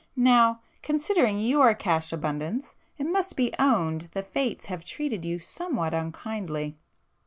Now, considering your cash abundance, it must be owned the fates have treated you somewhat unkindly!"